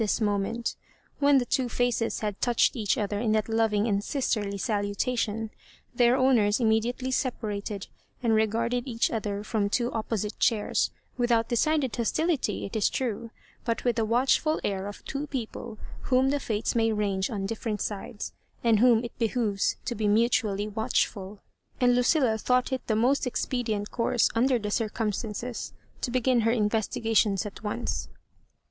81 this moment When the two faces had touched each other in that loving and sisterly salutation, their owners immediately separated, and regard ed each other from two opposite chairs, without decided hostility, it is true, hut with the watchful air of two people whom the fates may rangj^on different sides, and whom it behoves to be mutu ally watchfiU. And Lucilla thought it the most expedient course, under the circumstances, to be gin her investigations at once.